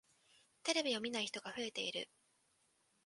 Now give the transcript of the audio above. テレビを見ない人が増えている。